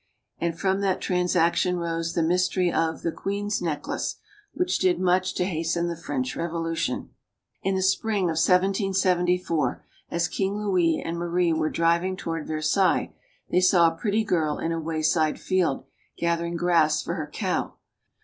And from that transaction rose the mys tery of "The Queen's Necklace," which did much to hasten the French Revolution. In the spring of 1 774, as King Louis and Marie were driving toward Versailles, they saw a pretty girl in a wayside field, gathering grass for her cow.